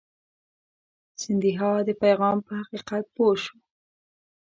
سیندهیا د پیغام په حقیقت پوه شو.